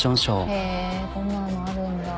へぇこんなのあるんだ。